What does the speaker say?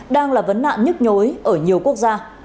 đang là vấn nạn nhức nhối ở nhiều quốc gia